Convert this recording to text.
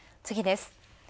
次です。